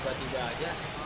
dua tiga aja